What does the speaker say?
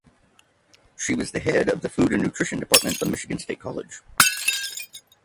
She was the head of the Food and Nutrition Department of Michigan State College.